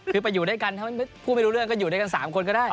คือไปอยู่ด้วยกันถ้าพูดไม่รู้เรื่องก็อยู่ด้วยกัน๓คนก็ได้